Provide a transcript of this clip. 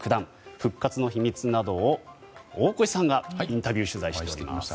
復活の秘密などを大越さんがインタビュー取材してきました。